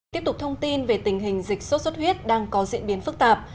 tiếp tục thông tin về tình hình dịch sốt xuất huyết đang có diễn biến phức tạp